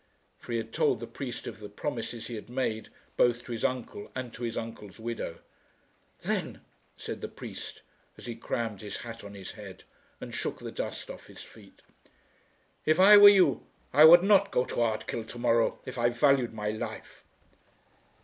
For he had told the priest of the promises he had made both to his uncle and to his uncle's widow. "Then," said the priest, as he crammed his hat on his head, and shook the dust off his feet, "if I were you I would not go to Ardkill to morrow if I valued my life."